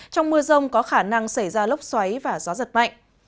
trong mưa rông có khả năng xảy ra lốc xoáy và gió giật mạnh